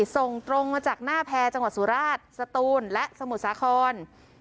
ส่งตรงมาจากหน้าแพรจังหวัดสุราชสตูนและสมุทรสาคร